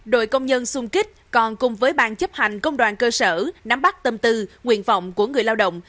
đội công nhân xung kích còn cùng với bang chấp hành công đoàn cơ sở nắm bắt tâm tư nguyện vọng của người lao động